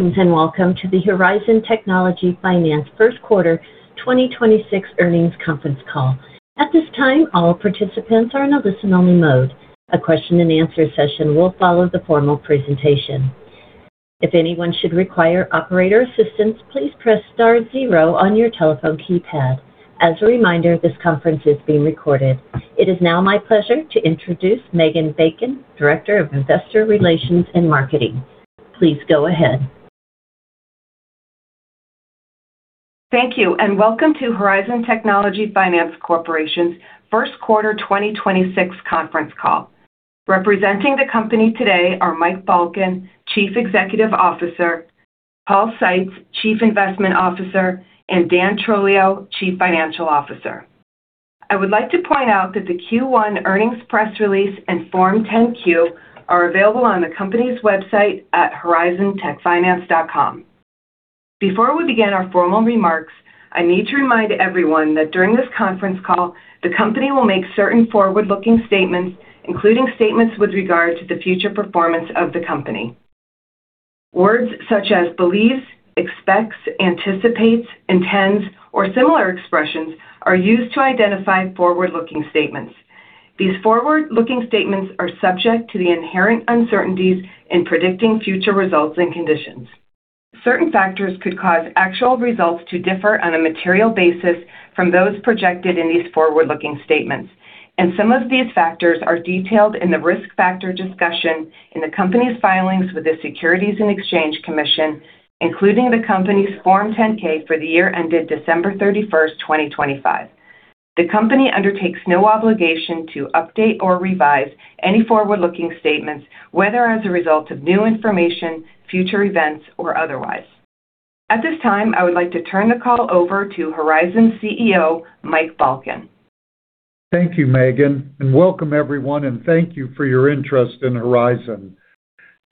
Greetings, and welcome to the Horizon Technology Finance first quarter 2026 earnings conference call. At this time, all participants are in a listen-only mode. A question-and-answer session will follow the formal presentation. If anyone should require operator assistance, please press star zero on your telephone keypad. As a reminder, this conference is being recorded. It is now my pleasure to introduce Megan Bacon, Director of Investor Relations and Marketing. Please go ahead. Thank you. Welcome to Horizon Technology Finance Corporation's first quarter 2026 conference call. Representing the company today are Mike Balkin, Chief Executive Officer, Paul Seitz, Chief Investment Officer, and Dan Trolio, Chief Financial Officer. I would like to point out that the Q1 earnings press release and Form 10-Q are available on the company's website at horizontechfinance.com. Before we begin our formal remarks, I need to remind everyone that during this conference call, the company will make certain forward-looking statements, including statements with regard to the future performance of the company. Words such as believes, expects, anticipates, intends, or similar expressions are used to identify forward-looking statements. These forward-looking statements are subject to the inherent uncertainties in predicting future results and conditions. Certain factors could cause actual results to differ on a material basis from those projected in these forward-looking statements, and some of these factors are detailed in the risk factor discussion in the company's filings with the Securities and Exchange Commission, including the company's Form 10-K for the year ended December 31st, 2025. The company undertakes no obligation to update or revise any forward-looking statements, whether as a result of new information, future events, or otherwise. At this time, I would like to turn the call over to Horizon's CEO, Mike Balkin. Thank you, Megan, and welcome everyone, and thank you for your interest in Horizon.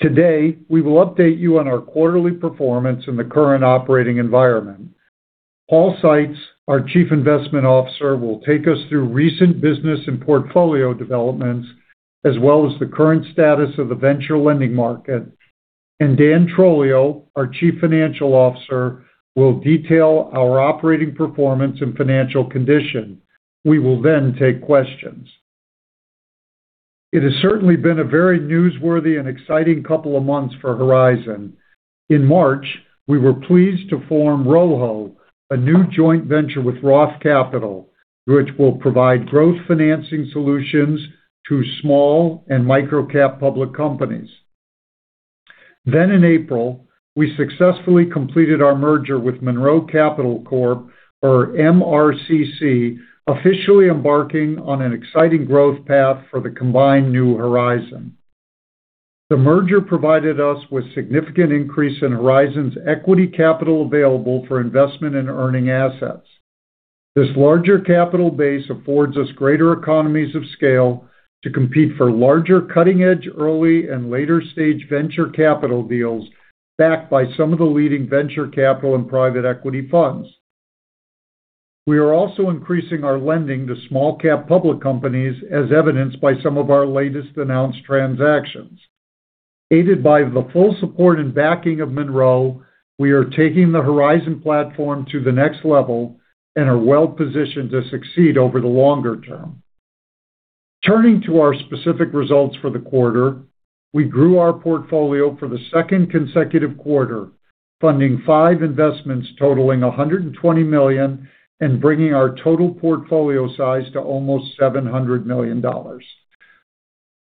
Today, we will update you on our quarterly performance in the current operating environment. Paul Seitz, our Chief Investment Officer, will take us through recent business and portfolio developments as well as the current status of the venture lending market. Dan Trolio, our Chief Financial Officer, will detail our operating performance and financial condition. We will then take questions. It has certainly been a very newsworthy and exciting couple of months for Horizon. In March, we were pleased to form RoHo, a new joint venture with ROTH Capital, which will provide growth financing solutions to small and micro-cap public companies. In April, we successfully completed our merger with Monroe Capital Corp, or MRCC, officially embarking on an exciting growth path for the combined new Horizon. The merger provided us with significant increase in Horizon's equity capital available for investment in earning assets. This larger capital base affords us greater economies of scale to compete for larger cutting-edge early and later-stage venture capital deals backed by some of the leading venture capital and private equity funds. We are also increasing our lending to small cap public companies as evidenced by some of our latest announced transactions. Aided by the full support and backing of Monroe, we are taking the Horizon platform to the next level and are well-positioned to succeed over the longer term. Turning to our specific results for the quarter, we grew our portfolio for the second consecutive quarter, funding five investments totaling $120 million and bringing our total portfolio size to almost $700 million.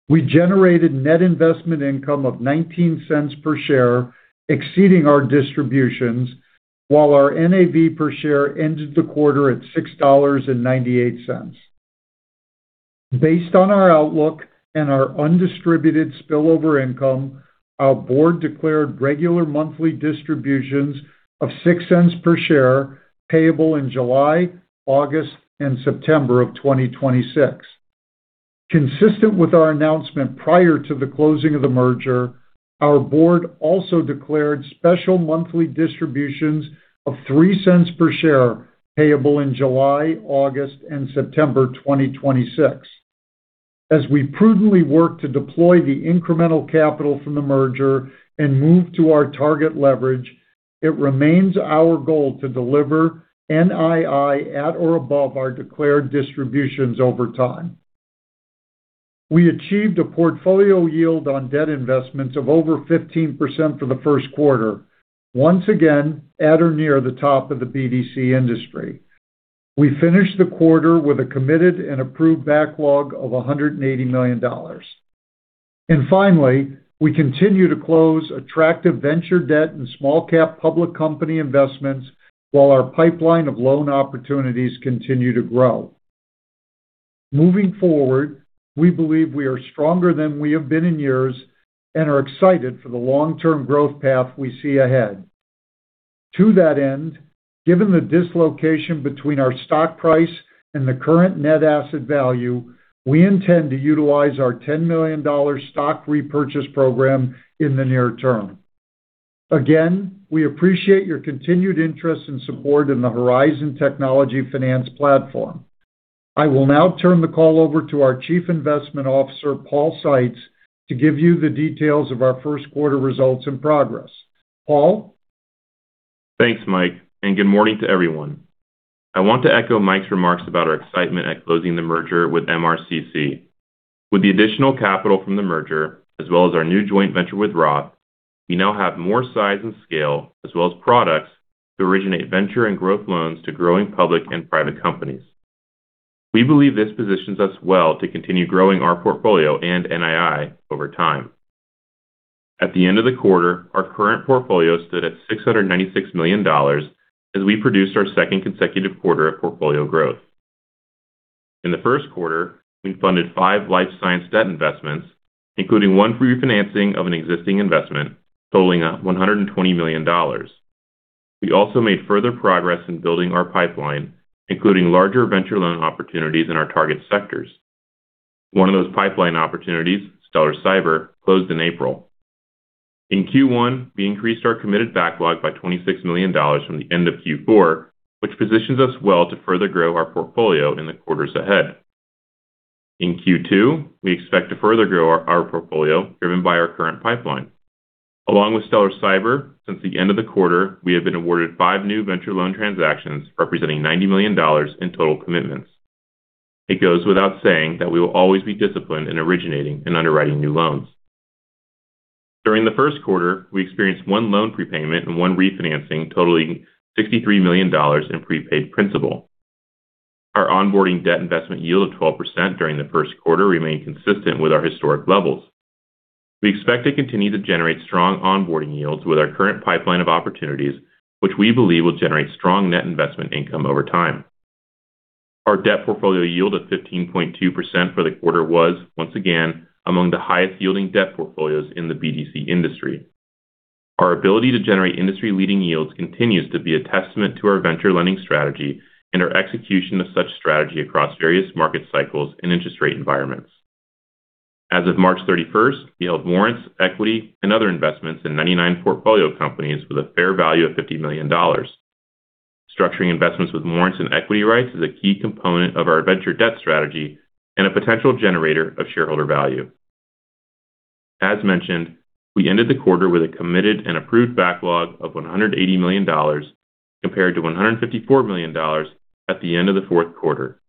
We generated net investment income of $0.19 per share, exceeding our distributions, while our NAV per share ended the quarter at $6.98. Based on our outlook and our undistributed spillover income, our board declared regular monthly distributions of $0.06 per share payable in July, August, and September of 2026. Consistent with our announcement prior to the closing of the merger, our board also declared special monthly distributions of $0.03 per share payable in July, August, and September 2026. As we prudently work to deploy the incremental capital from the merger and move to our target leverage, it remains our goal to deliver NII at or above our declared distributions over time. We achieved a portfolio yield on debt investments of over 15% for the first quarter, once again at or near the top of the BDC industry. We finished the quarter with a committed and approved backlog of $180 million. Finally, we continue to close attractive venture debt and small cap public company investments while our pipeline of loan opportunities continue to grow. Moving forward, we believe we are stronger than we have been in years and are excited for the long-term growth path we see ahead. To that end, given the dislocation between our stock price and the current net asset value, we intend to utilize our $10 million stock repurchase program in the near term. Again, we appreciate your continued interest and support in the Horizon Technology Finance platform. I will now turn the call over to our Chief Investment Officer, Paul Seitz, to give you the details of our first quarter results and progress. Paul? Thanks, Mike, and good morning to everyone. I want to echo Mike's remarks about our excitement at closing the merger with MRCC. With the additional capital from the merger, as well as our new joint venture with ROTH, we now have more size and scale, as well as products to originate venture and growth loans to growing public and private companies. We believe this positions us well to continue growing our portfolio and NII over time. At the end of the quarter, our current portfolio stood at $696 million as we produced our second consecutive quarter of portfolio growth. In the first quarter, we funded five life science debt investments, including one refinancing of an existing investment, totaling $120 million. We also made further progress in building our pipeline, including larger venture loan opportunities in our target sectors. One of those pipeline opportunities, Stellar Cyber, closed in April. In Q1, we increased our committed backlog by $26 million from the end of Q4, which positions us well to further grow our portfolio in the quarters ahead. In Q2, we expect to further grow our portfolio driven by our current pipeline. Along with Stellar Cyber, since the end of the quarter, we have been awarded five new venture loan transactions representing $90 million in total commitments. It goes without saying that we will always be disciplined in originating and underwriting new loans. During the first quarter, we experienced one loan prepayment and one refinancing totaling $63 million in prepaid principal. Our onboarding debt investment yield of 12% during the first quarter remained consistent with our historic levels. We expect to continue to generate strong onboarding yields with our current pipeline of opportunities, which we believe will generate strong net investment income over time. Our debt portfolio yield of 15.2% for the quarter was, once again, among the highest-yielding debt portfolios in the BDC industry. Our ability to generate industry-leading yields continues to be a testament to our venture lending strategy and our execution of such strategy across various market cycles and interest rate environments. As of March 31st, we held warrants, equity, and other investments in 99 portfolio companies with a fair value of $50 million. Structuring investments with warrants and equity rights is a key component of our venture debt strategy and a potential generator of shareholder value. As mentioned, we ended the quarter with a committed and approved backlog of $180 million compared to $154 million at the end of the fourth quarter.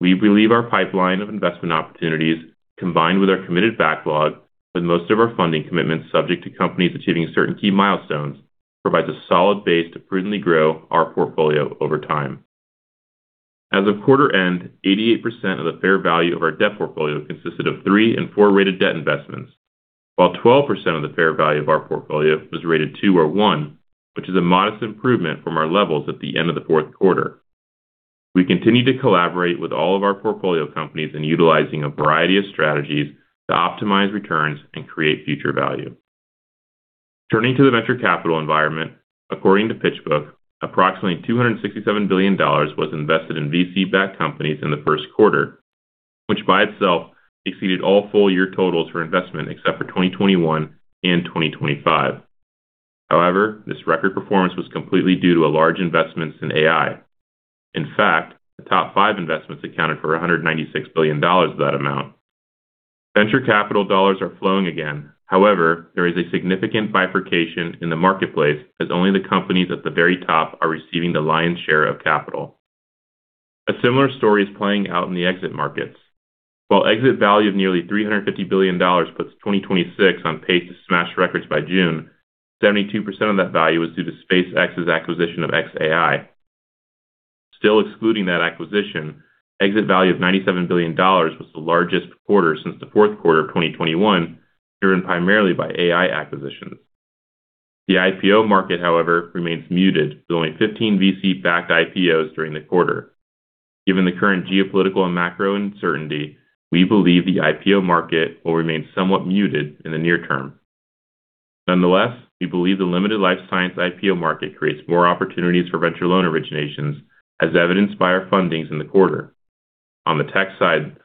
We believe our pipeline of investment opportunities, combined with our committed backlog, with most of our funding commitments subject to companies achieving certain key milestones, provides a solid base to prudently grow our portfolio over time. As of quarter end, 88% of the fair value of our debt portfolio consisted of three and four rated debt investments, while 12% of the fair value of our portfolio was rated two or one, which is a modest improvement from our levels at the end of the fourth quarter. We continue to collaborate with all of our portfolio companies in utilizing a variety of strategies to optimize returns and create future value. Turning to the venture capital environment, according to PitchBook, approximately $267 billion was invested in VC-backed companies in the first quarter, which by itself exceeded all full year totals for investment except for 2021 and 2025. This record performance was completely due to a large investments in AI. In fact, the top five investments accounted for $196 billion of that amount. Venture capital dollars are flowing again. There is a significant bifurcation in the marketplace as only the companies at the very top are receiving the lion's share of capital. A similar story is playing out in the exit markets. While exit value of nearly $350 billion puts 2026 on pace to smash records by June, 72% of that value was due to SpaceX's acquisition of xAI. Still excluding that acquisition, exit value of $97 billion was the largest quarter since the fourth quarter of 2021, driven primarily by AI acquisitions. The IPO market, however, remains muted, with only 15 VC-backed IPOs during the quarter. Given the current geopolitical and macro uncertainty, we believe the IPO market will remain somewhat muted in the near term. Nonetheless, we believe the limited life science IPO market creates more opportunities for venture loan originations, as evidenced by our fundings in the quarter. On the tech side,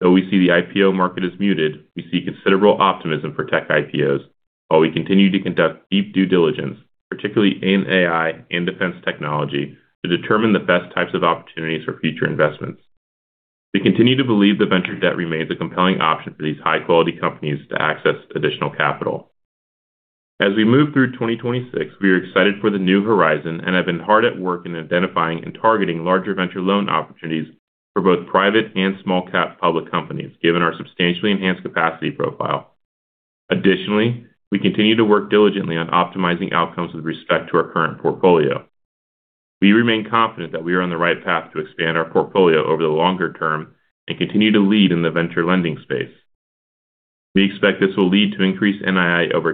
though we see the IPO market as muted, we see considerable optimism for tech IPOs, while we continue to conduct deep due diligence, particularly in AI and defense technology, to determine the best types of opportunities for future investments. We continue to believe the venture debt remains a compelling option for these high-quality companies to access additional capital. As we move through 2026, we are excited for the new horizon and have been hard at work in identifying and targeting larger venture loan opportunities for both private and small cap public companies, given our substantially enhanced capacity profile. We continue to work diligently on optimizing outcomes with respect to our current portfolio. We remain confident that we are on the right path to expand our portfolio over the longer term and continue to lead in the venture lending space. We expect this will lead to increased NII over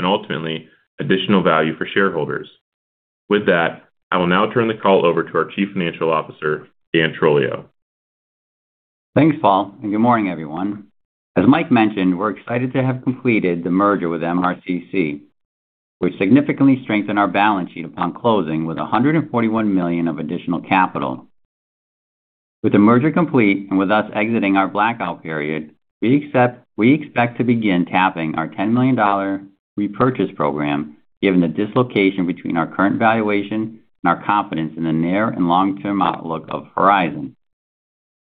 time and ultimately additional value for shareholders. I will now turn the call over to our Chief Financial Officer, Dan Trolio. Thanks, Paul. Good morning, everyone. As Mike mentioned, we're excited to have completed the merger with MRCC, which significantly strengthened our balance sheet upon closing with $141 million of additional capital. With the merger complete, with us exiting our blackout period, we expect to begin tapping our $10 million repurchase program, given the dislocation between our current valuation and our confidence in the near and long-term outlook of Horizon.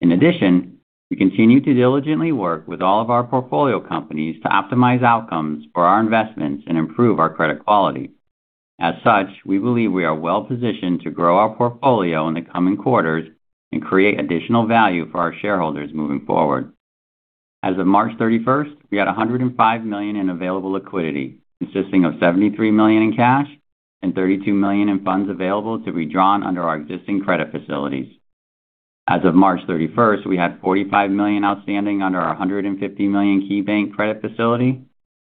In addition, we continue to diligently work with all of our portfolio companies to optimize outcomes for our investments and improve our credit quality. As such, we believe we are well-positioned to grow our portfolio in the coming quarters and create additional value for our shareholders moving forward. As of March 31st, we had $105 million in available liquidity, consisting of $73 million in cash and $32 million in funds available to be drawn under our existing credit facilities. As of March 31st, we had $45 million outstanding under our $150 million KeyBank credit facility,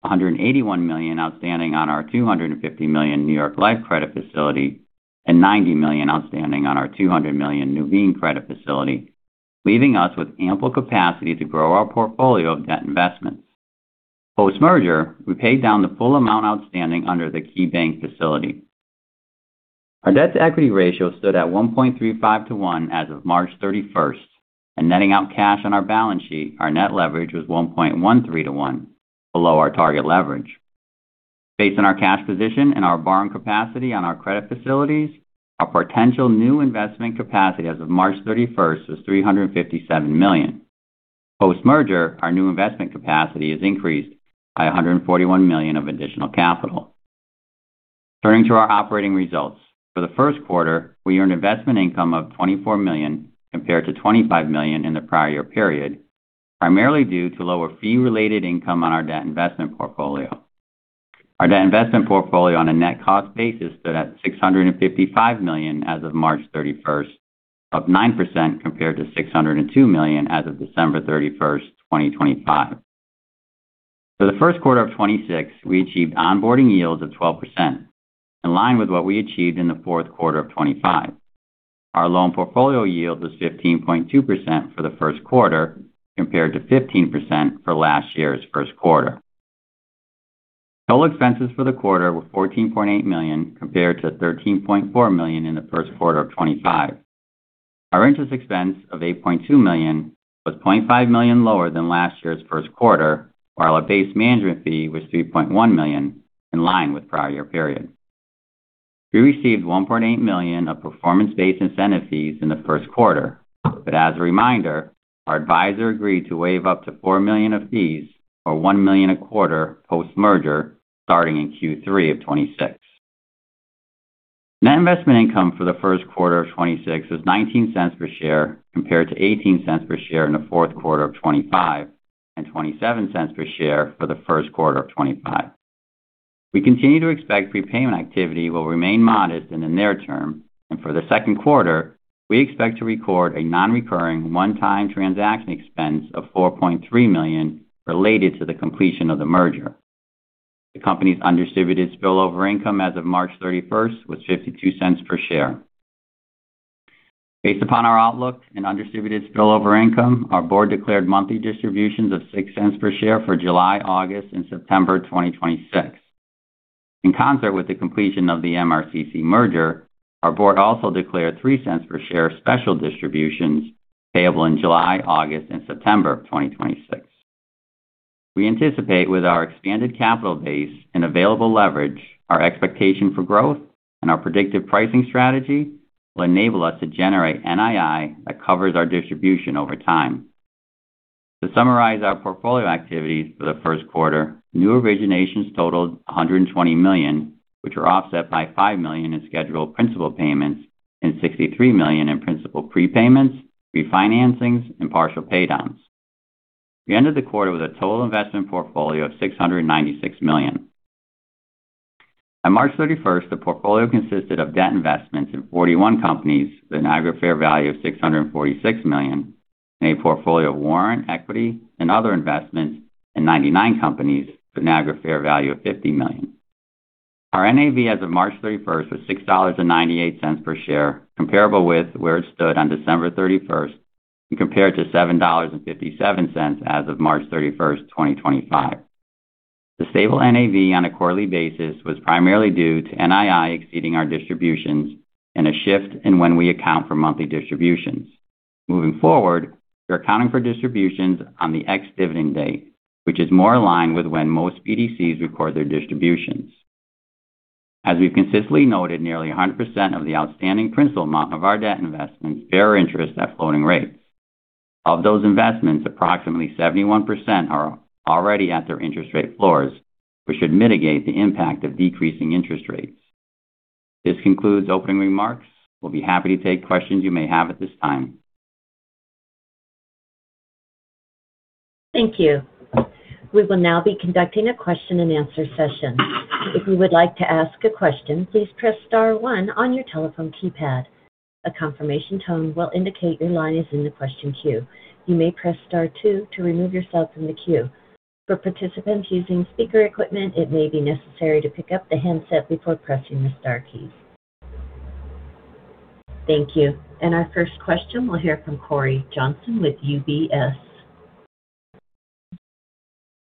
$181 million outstanding on our $250 million New York Life credit facility, and $90 million outstanding on our $200 million Nuveen credit facility, leaving us with ample capacity to grow our portfolio of debt investments. Post-merger, we paid down the full amount outstanding under the KeyBank facility. Our debt-to-equity ratio stood at 1.35 to 1 as of March 31st. Netting out cash on our balance sheet, our net leverage was 1.13 to 1, below our target leverage. Based on our cash position and our borrowing capacity on our credit facilities, our potential new investment capacity as of March 31st was $357 million. Post-merger, our new investment capacity is increased by $141 million of additional capital. Turning to our operating results. For the first quarter, we earned investment income of $24 million compared to $25 million in the prior year period, primarily due to lower fee-related income on our debt investment portfolio. Our debt investment portfolio on a net cost basis stood at $655 million as of March 31st, up 9% compared to $602 million as of December 31st, 2025. For the first quarter of 2026, we achieved onboarding yields of 12%, in line with what we achieved in the fourth quarter of 2025. Our loan portfolio yield was 15.2% for the first quarter compared to 15% for last year's first quarter. Total expenses for the quarter were $14.8 million compared to $13.4 million in the first quarter of 2025. Our interest expense of $8.2 million was $0.5 million lower than last year's first quarter, while our base management fee was $3.1 million, in line with prior year period. We received $1.8 million of performance-based incentive fees in the first quarter. As a reminder, our advisor agreed to waive up to $4 million of fees or $1 million a quarter post-merger starting in Q3 of 2026. Net investment income for the first quarter of 2026 was $0.19 per share compared to $0.18 per share in the fourth quarter of 2025 and $0.27 per share for the first quarter of 2025. We continue to expect prepayment activity will remain modest in the near term. For the second quarter, we expect to record a non-recurring one-time transaction expense of $4.3 million related to the completion of the merger. The company's undistributed spillover income as of March 31st was $0.52 per share. Based upon our outlook and undistributed spillover income, our board declared monthly distributions of $0.06 per share for July, August, and September 2026. In concert with the completion of the MRCC merger, our board also declared $0.03 per share special distributions payable in July, August, and September of 2026. We anticipate with our expanded capital base and available leverage, our expectation for growth and our predictive pricing strategy will enable us to generate NII that covers our distribution over time. To summarize our portfolio activities for the first quarter, new originations totaled $120 million, which were offset by $5 million in scheduled principal payments and $63 million in principal prepayments, refinancings, and partial pay downs. We ended the quarter with a total investment portfolio of $696 million. On March 31st, the portfolio consisted of debt investments in 41 companies with an aggregate fair value of $646 million, and a portfolio of warrant, equity, and other investments in 99 companies with an aggregate fair value of $50 million. Our NAV as of March 31st was $6.98 per share, comparable with where it stood on December 31st and compared to $7.57 as of March 31st, 2025. The stable NAV on a quarterly basis was primarily due to NII exceeding our distributions and a shift in when we account for monthly distributions. Moving forward, we're accounting for distributions on the ex-dividend date, which is more aligned with when most BDCs record their distributions. As we've consistently noted, nearly 100% of the outstanding principal amount of our debt investments bear interest at floating rates. Of those investments, approximately 71% are already at their interest rate floors, which should mitigate the impact of decreasing interest rates. This concludes opening remarks. We'll be happy to take questions you may have at this time. Thank you. We will now be conducting a question-and-answer session. If you would like to ask a question, please press star one on your telephone keypad. A confirmation tone will indicate your line is in the question queue. You may press star two to remove yourself from the queue. For participants using speaker equipment, it maybe necessary to pick up the handset before pressing the star key. Thank you. Our first question, we'll hear from Cory Johnson with UBS.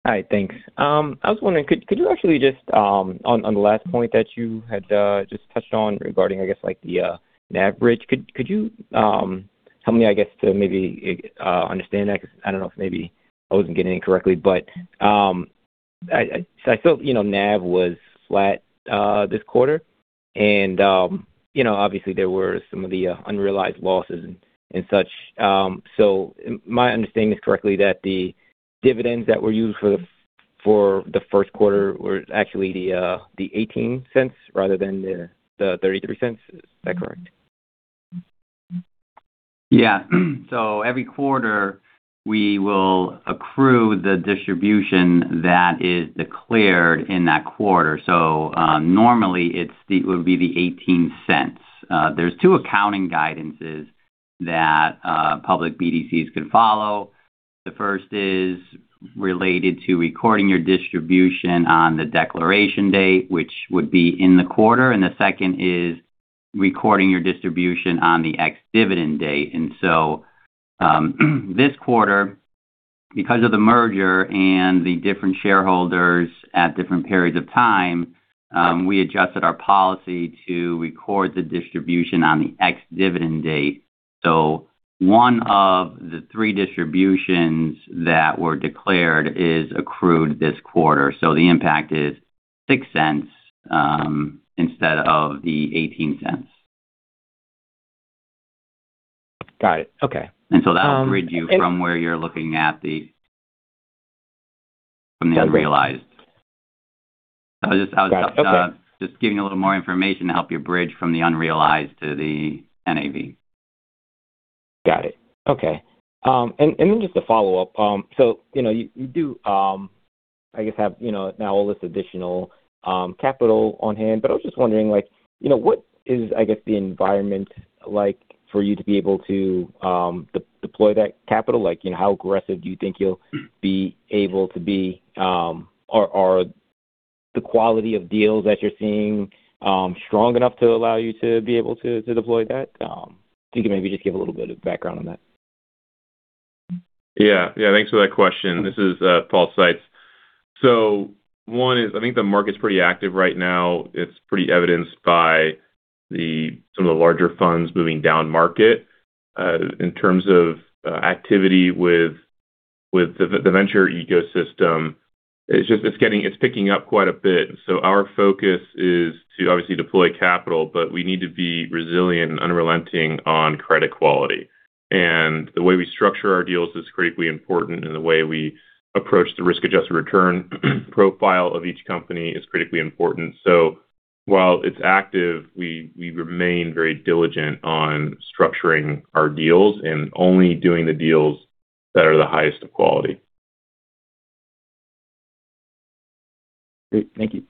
Hi, thanks. I was wondering, could you actually just on the last point that you had just touched on regarding, I guess like the NAV bridge, could you tell me I guess to maybe understand that? I don't know if maybe I wasn't getting it correctly. I felt, you know, NAV was flat this quarter. Obviously, you know, there were some of the unrealized losses and such. Am I understanding this correctly that the dividends that were used for the first quarter were actually the $0.18 rather than the $0.33? Is that correct? Yeah. Every quarter we will accrue the distribution that is declared in that quarter. Normally it would be the $0.18. There's two accounting guidances that public BDCs can follow. The first is related to recording your distribution on the declaration date, which would be in the quarter, and the second is recording your distribution on the ex-dividend date. This quarter, because of the merger and the different shareholders at different periods of time, we adjusted our policy to record the distribution on the ex-dividend date. One of the three distributions that were declared is accrued this quarter. The impact is $0.06 instead of the $0.18. Got it. Okay. That'll bridge you from where you're looking at. Does it? From the unrealized. Got it. Okay. I was just giving a little more information to help you bridge from the unrealized to the NAV. Got it. Okay. Then just a follow-up. You know, you do, I guess have, you know, now all this additional capital on hand, but I was just wondering, like, you know, what is, I guess, the environment like for you to be able to de-deploy that capital? Like, you know, how aggressive do you think you'll be able to be? Are the quality of deals that you're seeing strong enough to allow you to be able to deploy that? If you could maybe just give a little bit of background on that. Yeah. Yeah. Thanks for that question. This is Paul Seitz. One is, I think the market's pretty active right now. It's pretty evidenced by the, some of the larger funds moving down market. In terms of activity with the venture ecosystem, it's just, it's picking up quite a bit. Our focus is to obviously deploy capital, but we need to be resilient and unrelenting on credit quality. The way we structure our deals is critically important, the way we approach the risk-adjusted return profile of each company is critically important. While it's active, we remain very diligent on structuring our deals and only doing the deals that are the highest of quality. Great. Thank you.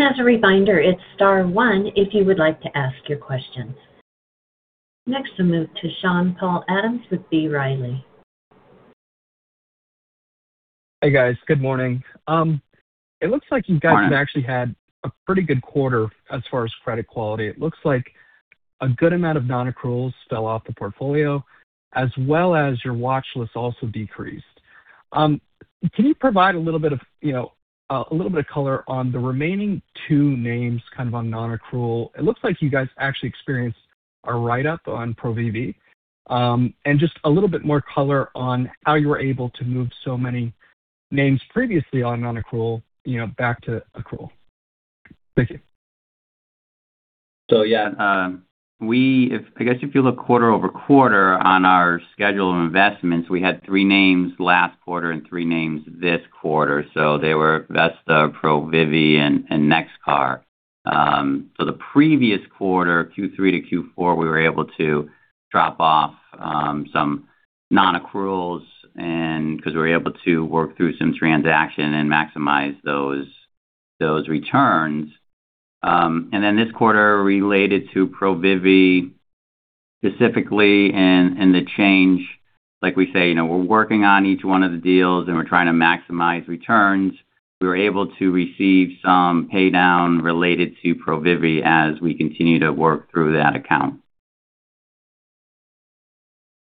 As a reminder, it's star one if you would like to ask your questions. Next, I'll move to Sean-Paul Adams with B. Riley. Hey, guys. Good morning. Morning. It looks like you actually had a pretty good quarter as far as credit quality. It looks like a good amount of non-accruals fell off the portfolio, as well as your watch list also decreased. Can you provide a little bit of, you know, a little bit of color on the remaining two names kind of on non-accrual? It looks like you guys actually experienced a write-up on Provivi. Just a little bit more color on how you were able to move so many names previously on non-accrual, you know, back to accrual. Thank you. If you look quarter-over-quarter on our schedule of investments, we had three names last quarter and three names this quarter. They were Vesta, Provivi, and Nexar. The previous quarter, Q3 to Q4, we were able to drop off some non-accruals because we were able to work through some transaction and maximize those returns. This quarter related to Provivi specifically and the change, like we say, you know, we're working on each one of the deals, and we're trying to maximize returns. We were able to receive some pay down related to Provivi as we continue to work through that account.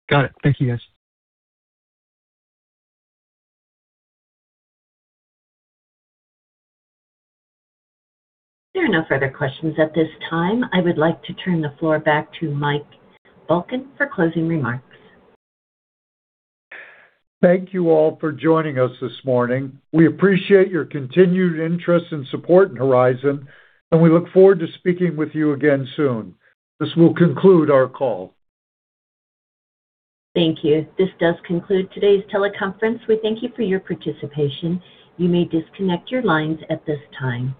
Got it. Thank you, guys. There are no further questions at this time. I would like to turn the floor back to Mike Balkin for closing remarks. Thank you all for joining us this morning. We appreciate your continued interest and support in Horizon, and we look forward to speaking with you again soon. This will conclude our call. Thank you. This does conclude today's teleconference. We thank you for your participation. You may disconnect your lines at this time.